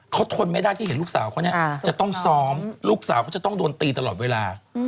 เขาทนไม่ได้ที่เห็นลูกสาวเขาเนี่ยจะต้องซ้อมลูกสาวเขาจะต้องโดนตีตลอดเวลา